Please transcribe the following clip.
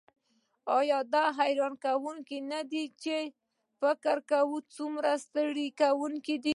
ایا دا حیرانوونکې نده چې فکر کول څومره ستړي کونکی دي